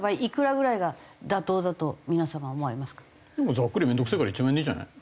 ざっくり面倒くせえから１万円でいいんじゃない？